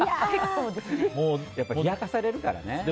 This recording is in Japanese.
やっぱり冷やかされるからね。